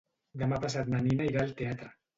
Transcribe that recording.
Demà passat na Nina irà al teatre.